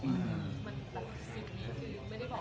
เพราะว่ามันเป็นเรื่องที่มันไม่มีอะไรมาก